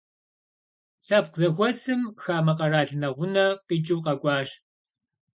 Лъэпкъ зэхуэсым хамэ къэрал нэгъунэ къикӏыу къэкӏуащ.